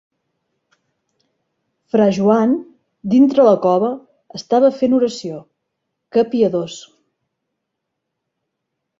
Fra Joan dintre la cova estava fent oració. Que piadós!